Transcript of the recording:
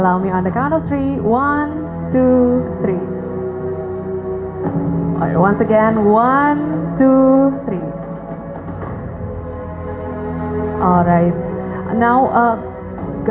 kami akan untuk sangat